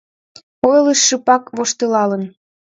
Ойлыш шыпак воштылалын: